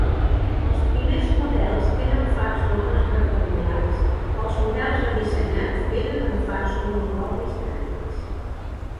Els primers models tenen fars dobles rectangulars, els models redissenyats vénen amb fars monobloc més grans.